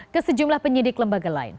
ke sejumlah penyidik lembaga lain